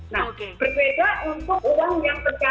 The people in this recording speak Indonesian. nah berbeda untuk uang yang tercata